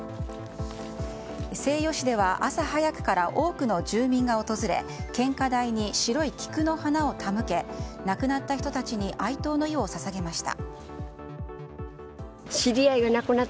西予市では朝早くから多くの住民が訪れ献花台に白い菊の花を手向け亡くなった人たちに哀悼の意を捧げました。